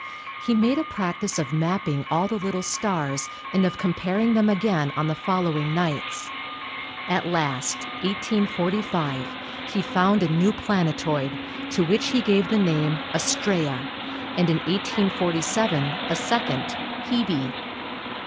He made a practice of map ping all the little stars and of comparing them again on the following nights. At last (1845) ne found a new planetoid, to which he gave the name Astraea, and in 1847 a second, Hebe.